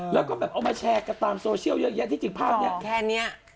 แบบเอามาแชร์กับตามโซเชียลเยอะที่จึงภาพเนี่ย